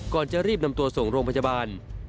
ก่อนจะรีบนำตัวส่งโรงพยาบาล